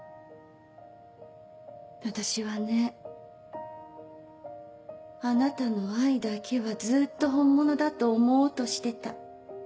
私はねあなたの愛だけはずっと本物だと思おうとしてた。